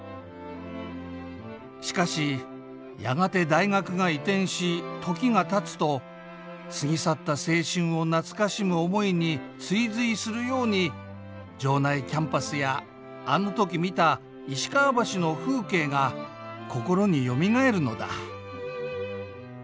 しかしやがて大学が移転し時がたつと過ぎ去った青春を懐かしむ思いに追随するように城内キャンパスやあの時見た石川橋の風景が心によみがえるのだ」。